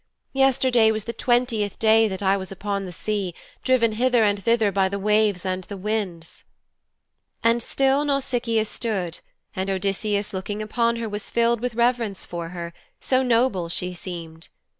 Yesterday was the twentieth day that I was upon the sea, driven hither and thither by the waves and the winds.' And still Nausicaa stood, and Odysseus looking upon her was filled with reverence for her, so noble she seemed.